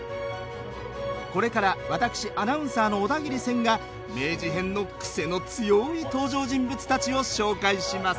これから私アナウンサーの小田切千が明治編の癖の強い登場人物たちを紹介します。